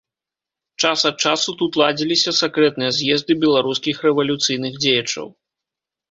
Час ад часу тут ладзіліся сакрэтныя з'езды беларускіх рэвалюцыйных дзеячаў.